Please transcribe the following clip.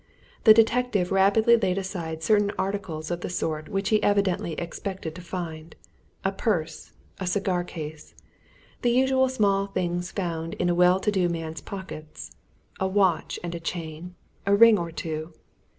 The detective rapidly laid aside certain articles of the sort which he evidently expected to find a purse, a cigar case; the usual small things found in a well to do man's pockets; a watch and chain; a ring or two.